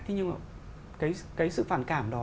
thế nhưng mà cái sự phản cảm đó